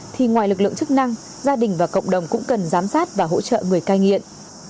thì ngoài lực lượng chức năng gia đình và cộng đồng cũng cần giám sát và hỗ trợ người cai nghiện